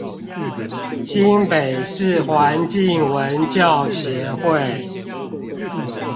新北市環境文教協會